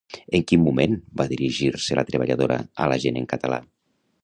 En quin moment va dirigir-se la treballadora a l'agent en català?